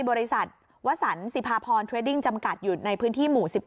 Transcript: บริษัทวัฒนศิพพรจำกัดอยู่ในพื้นที่หมู่๑๑